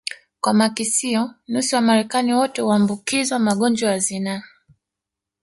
kwa makisio nusu ya Wamarekani wote huambukizwa magonjwa ya zinaa